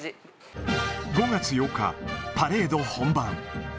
５月８日、パレード本番。